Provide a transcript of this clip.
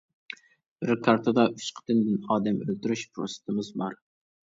بىر كارتىدا ئۈچ قېتىمدىن ئادەم ئۆلتۈرۈش پۇرسىتىمىز بار.